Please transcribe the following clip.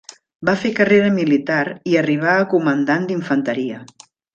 Va fer carrera militar i arribà a comandant d'infanteria.